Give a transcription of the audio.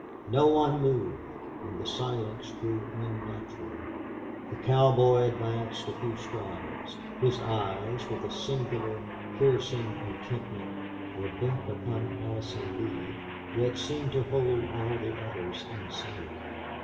No one moved, and the silence grew unnatural. The cowboy advanced a few strides. His eyes, with a singular piercing intentness, were bent upon Allison Lee, yet seemed to hold all the others in sight.